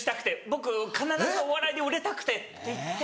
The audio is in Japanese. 僕必ずお笑いで売れたくて」って言って。